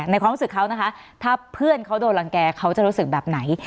ความรู้สึกเขานะคะถ้าเพื่อนเขาโดนรังแก่เขาจะรู้สึกแบบไหน